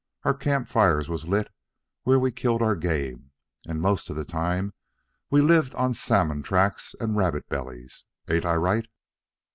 Our camp fires was lit where we killed our game, and most of the time we lived on salmon tracks and rabbit bellies ain't I right?"